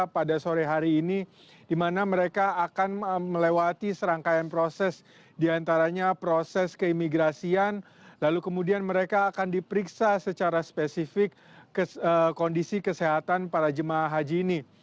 pada sore hari ini di mana mereka akan melewati serangkaian proses diantaranya proses keimigrasian lalu kemudian mereka akan diperiksa secara spesifik kondisi kesehatan para jemaah haji ini